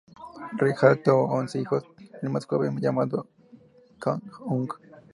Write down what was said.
Ríg-Jarl tuvo once hijos, el más joven llamado Kon ung.